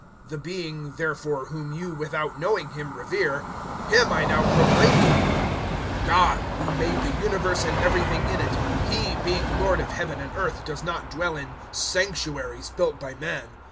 "The Being, therefore, whom you, without knowing Him, revere, Him I now proclaim to you. 017:024 GOD who made the universe and everything in it He, being Lord of Heaven and earth, does not dwell in sanctuaries built by men.